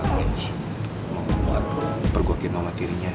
mau membuat pergokit mama tirinya